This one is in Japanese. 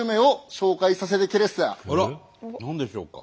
何でしょうか？